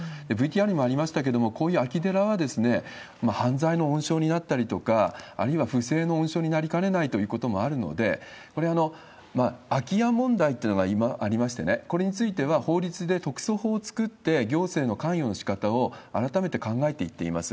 ＶＴＲにもありましたけれども、こういう空き寺は犯罪の温床になったりとか、あるいは腐生の温床になりかねないということもあるので、これ、空き家問題っていうのが今ありましてね、これについては法律で特措法を作って、行政の関与のしかたを改めて考えていっています。